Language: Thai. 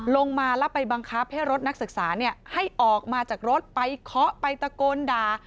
ลงมาแล้วไปบังคับให้รถนักศึกษาให้ออกมาจากรถไปเคาะไปตะโกนด่า